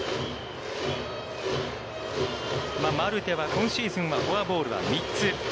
マルテは今シーズンはフォアボールは３つ。